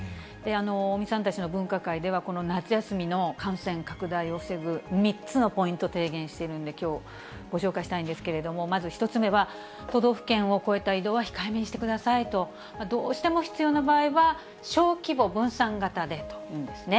尾身さんたちの分科会では、この夏休みの感染拡大を防ぐ３つのポイント提言しているんで、きょう、ご紹介したいんですけれども、まず１つ目は、都道府県を越えた移動は控えめにしてくださいと、どうしても必要な場合は小規模・分散型でというんですね。